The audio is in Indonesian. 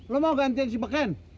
lu mau gantiin si beken